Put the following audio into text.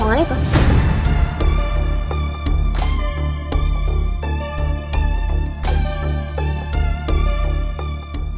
lo tau dari mana